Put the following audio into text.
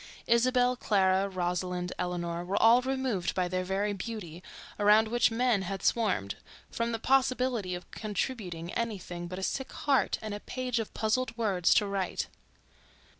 Isabelle, Clara, Rosalind, Eleanor, were all removed by their very beauty, around which men had swarmed, from the possibility of contributing anything but a sick heart and a page of puzzled words to write.